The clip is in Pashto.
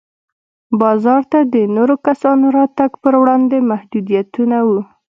بازار ته د نورو کسانو راتګ پر وړاندې محدودیتونه وو.